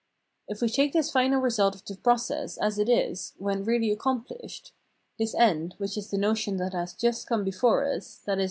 If we take this final result of the process as it is when really accomplished — this end, which is the notion that has just come before us, viz.